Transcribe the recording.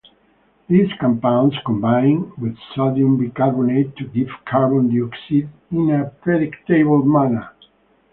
These compounds combine with sodium bicarbonate to give carbon dioxide in a predictable manner.